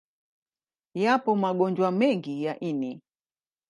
Yapo magonjwa mengi ya ini.